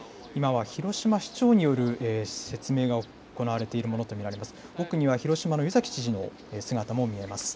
今は広島市長による説明が行われているものと見られます。